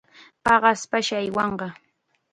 Paqaspash aywanqa.